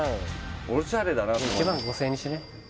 オシャレだな１万５０００円にしない？